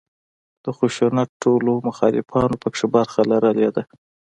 د خشونت ټولو مخالفانو په کې برخه لرلې ده.